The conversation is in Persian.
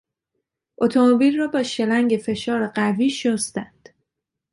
اتومبیل را با شلنگ فشار قوی شستند.